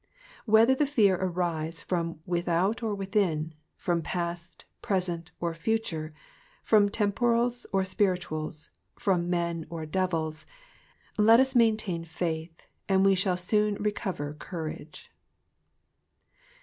Whether the fear arise from without or within, from past, present, or future, from temporals, or spirituals, from men or devils, let us maintain faith, and we shall soon recover courage.